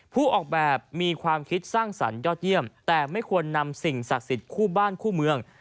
ผู้ออกแบบมีความคิดสร้างสรรคยอดเยี่ยมแต่ไม่ควรนำสิ่งศักดิ์สิทธิ์คู่บ้านคู่เมือง